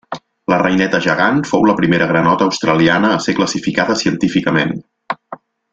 La reineta gegant fou la primera granota australiana a ser classificada científicament.